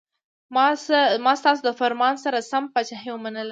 ما ستاسو د فرمان سره سم پاچهي ومنله.